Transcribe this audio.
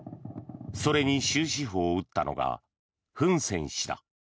それに終止符を打ったのがフン・セン氏だ。